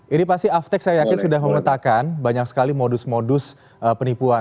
ini pasti aftek saya yakin sudah memetakan banyak sekali modus modus penipuan